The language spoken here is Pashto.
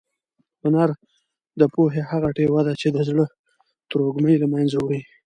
هنر د پوهې هغه ډېوه ده چې د زړه تروږمۍ له منځه وړي.